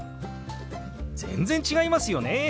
全然違いますよね！